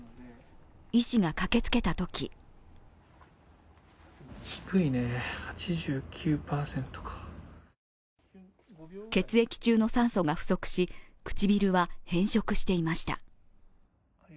医師が駆けつけたとき血液中の酸素が不足し、唇は変色していました。